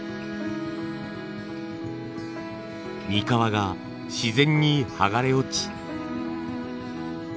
にかわが自然に剥がれ落ち。